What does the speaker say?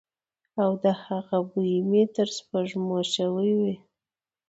او د هغه بوی مې تر سپوږمو شوی وی.